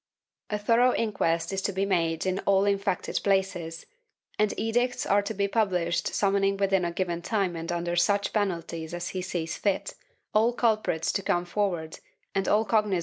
A thorough inquest is to be made in all infected places, and edicts are to be published summoning within a given time and under such penalties as he sees fit, all culprits to come forward and all cognizant of such offences to denounce them.